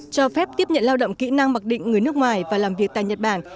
cho phép tiếp nhận lao động kỹ năng mặc định người nước ngoài và làm việc tại nhật bản